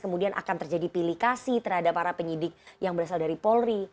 kemudian akan terjadi pilikasi terhadap para penyidik yang berasal dari polri